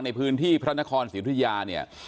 ในพื้นที่พระนครศิลปรัญญาเนี่ย